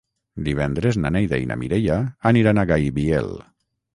Divendres na Neida i na Mireia aniran a Gaibiel.